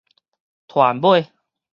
團買